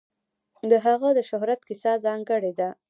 د هغه د شهرت کیسه ځانګړې ده.